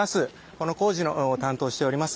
この工事の担当をしております